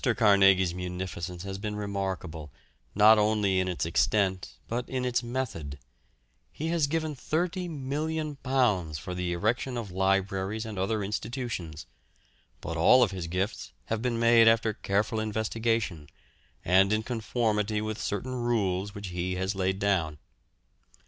Carnegie's munificence has been remarkable, not only in its extent, but in its method. He has given £30,000,000 for the erection of libraries and other institutions, but all of his gifts have been made after careful investigation, and in conformity with certain rules which he has laid down.